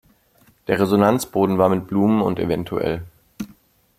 Der Resonanzboden war mit Blumen und evtl.